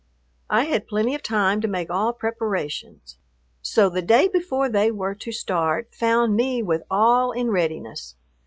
I had plenty of time to make all preparations; so the day before they were to start found me with all in readiness.